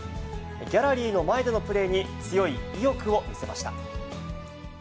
ギャラリーの前でのプレーに、強い意欲を見せました。